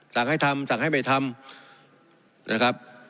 สั่งให้ทำสั่งให้ไม่ทำ